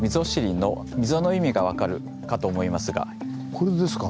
これですか？